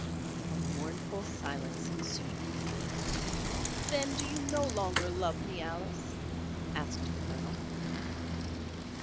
A mournful silence ensued. "Then do you no longer love me, Alice?" asked the Colonel.